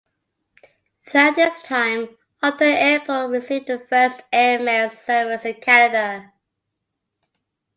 Throughout this time, Upton Airport received the first air mail service in Canada.